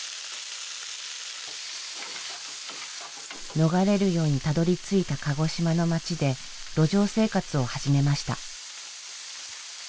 逃れるようにたどりついた鹿児島の町で路上生活を始めました。